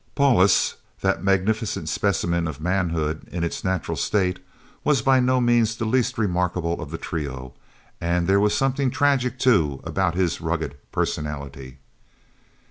Paulus, that magnificent specimen of manhood in its natural state, was by no means the least remarkable of the trio, and there was something tragic too about his rugged personality.